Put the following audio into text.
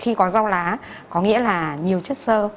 khi có rau lá có nghĩa là nhiều chất sơ